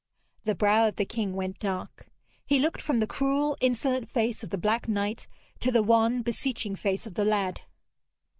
The brow of the king went dark. He looked from the cruel insolent face of the black knight to the wan beseeching face of the lad.